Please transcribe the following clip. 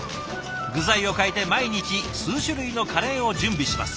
具材を変えて毎日数種類のカレーを準備します。